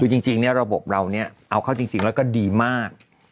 คือจริงระบบเราเนี่ยเอาเข้าจริงแล้วก็ดีมาก